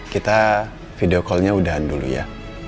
kita video callnya udahan dulu ya